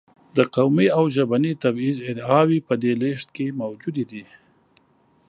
د قومي او ژبني تبعیض ادعاوې په دې لېږد کې موجودې دي.